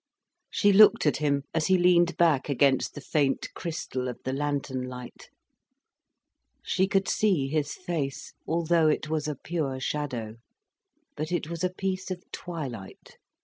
She looked at him, as he leaned back against the faint crystal of the lantern light. She could see his face, although it was a pure shadow. But it was a piece of twilight.